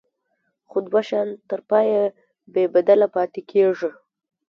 خو دوه شیان تر پایه بې بدله پاتې کیږي.